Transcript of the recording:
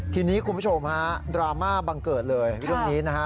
ทีนี้คุณผู้ชมฮะดราม่าบังเกิดเลยเรื่องนี้นะฮะ